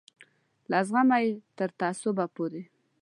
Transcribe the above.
له زغمه یې تر تعصبه پورې.